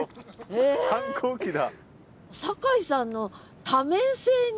反抗期だ。